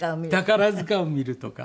宝塚を見るとか。